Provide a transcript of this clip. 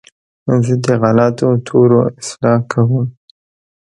زه د غلطو تورو اصلاح کوم.